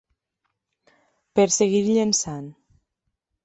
Per seguir llençant.